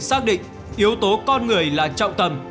xác định yếu tố con người là trọng tầm